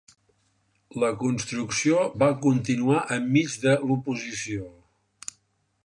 La construcció va continuar enmig de l'oposició.